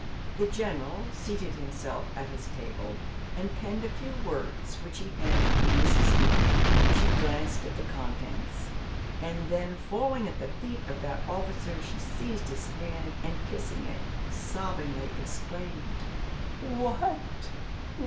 The General seated himself at his table, and penned a few words, which he handed to Mrs. Hinton. She glanced at the contents, and then falling at the feet of that officer, she seized his hand, and kissing it, sobbingly exclaimed: "What!